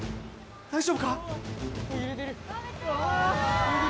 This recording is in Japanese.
大丈夫か！